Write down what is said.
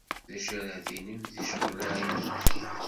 D acu ara tinimt di ccɣel-a-inu?